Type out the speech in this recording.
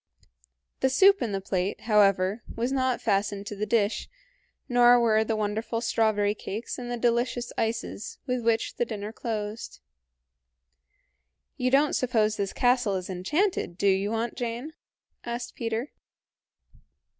The soup in the plate, however, was not fastened to the dish, nor were the wonderful strawberry cakes and the delicious ices with which the dinner closed. "You don't suppose this castle is enchanted, do you, Aunt Jane?" asked Peter.